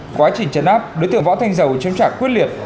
quá trình chấn áp đối tượng võ thanh dầu chống trả quyết liệt